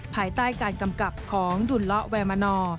ภายใต้การกำกับของดุลละแวมนอร์